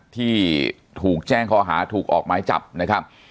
ที่ถูกแจ้งข้อหาถูกออกหมายจับนะครับ